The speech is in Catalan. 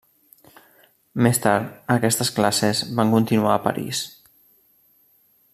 Més tard aquestes classes van continuar a París.